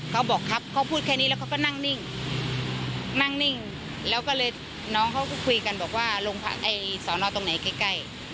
เขาบอกครับเขาพูดแค่นี้แล้วเขาก็นั่งนิ่งนั่งนิ่งแล้วก็เลยน้องเขาก็คุยกันบอกว่าโรงพักไอ้สอนอตรงไหนใกล้